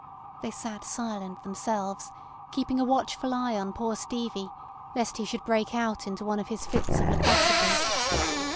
They sat silent themselves, keeping a watchful eye on poor Stevie, lest he should break out into one of his fits of loquacity.